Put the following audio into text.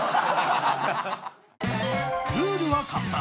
［ルールは簡単］